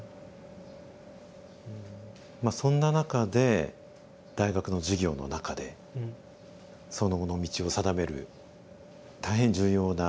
そんな中で大学の授業の中でその後の道を定める大変重要な出会いがあったそうですね。